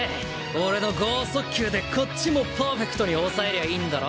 俺の豪速球でこっちもパーフェクトにおさえりゃいいんだろ？